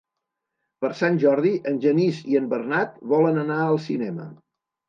Per Sant Jordi en Genís i en Bernat volen anar al cinema.